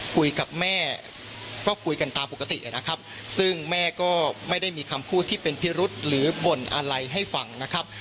คุยกับแม่ก็คุยกันตามปกตินะครับซึ่งแม่ก็ไม่ได้มีคำพูดที่เป็นพิรุษหรือบ่นอะไรให้ฟังนะครับ